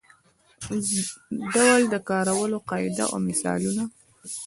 ډول د کارولو قاعده او مثالونه.